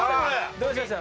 どうしました？